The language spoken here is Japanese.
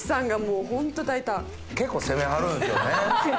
結構攻めはるんですよね。